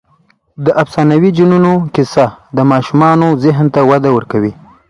د افسانوي جنونو کیسه د ماشومانو ذهن ته وده ورکوي.